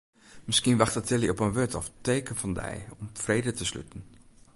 Miskien wachtet Tilly op in wurd of teken fan dy om frede te sluten.